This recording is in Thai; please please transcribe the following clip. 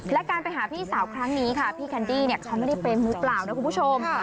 และการไปหาพี่สาวครั้งนี้ค่ะพี่แคนดี้เขาไม่ได้เป็นมือเปล่านะคุณผู้ชม